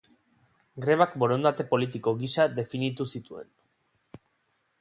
Grebak borondate politiko gisa definitu zituen.